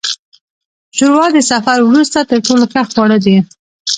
ښوروا د سفر وروسته تر ټولو ښه خواړه ده.